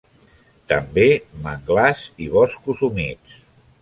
També manglars i boscos humits.